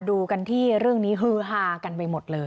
ดูกันที่เรื่องนี้ฮือฮากันไปหมดเลย